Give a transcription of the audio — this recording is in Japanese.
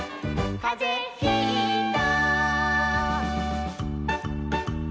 「かぜひいた」